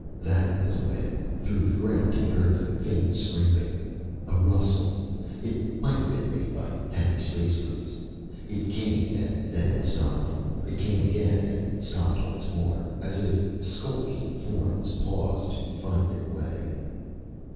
That was when, through the ground, he heard the faint scraping. A rustle. It might have been made by heavy space boots. It came, and then it stopped. It came again, and stopped once more. As if skulking forms paused to find their way.